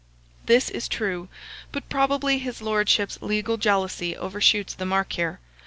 This is true; but probably his lordship's legal jealousy overshoots the mark here.